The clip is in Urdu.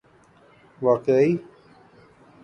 واقعی